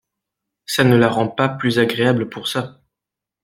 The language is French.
Ça ne la rend pas plus agréable pour ça.